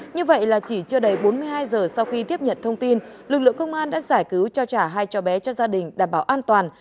như vậy là chỉ chưa đầy bốn mươi hai giờ sau khi tiếp nhận thông tin lực lượng công an đã giải cứu cho trả hai cho bé cho gia đình đảm bảo an toàn